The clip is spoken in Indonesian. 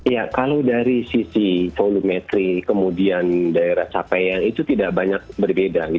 ya kalau dari sisi volumetri kemudian daerah capaian itu tidak banyak berbeda